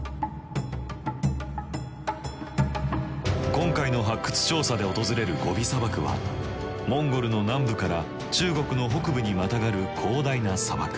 今回の発掘調査で訪れるゴビ砂漠はモンゴルの南部から中国の北部にまたがる広大な砂漠。